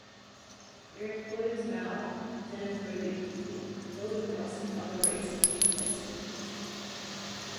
They're a closed-mouthed, xenophobic people, seldom trusting other races with their secrets.